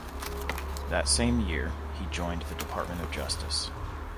That same year he joined the Department of Justice.